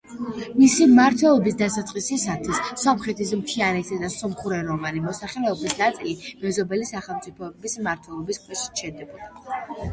მისი მმართველობის დასაწყისისათვის, სომხეთის მთიანეთისა და სომხურენოვანი მოსახლეობის ნაწილი მეზობელი სახელმწიფოების მმართველობის ქვეშ რჩებოდა.